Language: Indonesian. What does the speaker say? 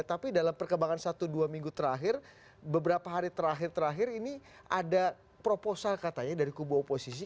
tapi dalam perkembangan satu dua minggu terakhir beberapa hari terakhir terakhir ini ada proposal katanya dari kubu oposisi